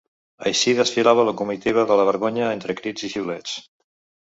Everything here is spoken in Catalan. Així desfilava la comitiva de la vergonya, entre crits i xiulets.